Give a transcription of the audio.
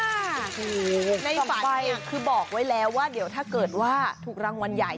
โอ้โหคือบอกไว้แล้วว่าเดี๋ยวถ้าเกิดว่าถูกรางวัลใหญ่